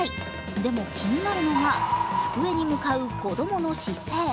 でも気になるのが机に向かう子供の姿勢。